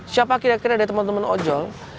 siapa kira kira dari teman teman ojol